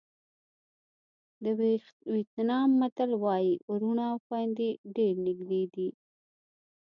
د وېتنام متل وایي وروڼه او خویندې ډېر نږدې دي.